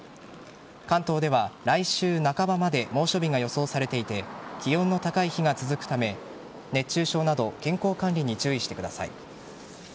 関東では、来週半ばまで猛暑日が予想されていて気温の高い日が続くため熱中症など健康管理に注意してください。